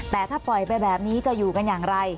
แต่ถ้าปล่อยไปแบบนี้จะอยู่กันอย่างไร